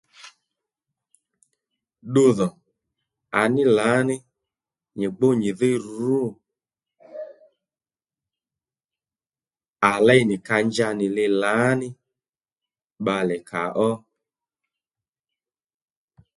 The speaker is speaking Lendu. Ddu dhò à ní lǎní nyi gbú nyìdhí rǔ à léy nì ka nja nì li lǎnì bbalè kà ó